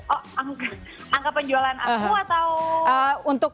oh angka penjualan aku atau untuk